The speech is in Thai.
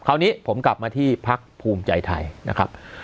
คราวนี้ผมกลับมาที่พักภูมิใจไทยนะครับ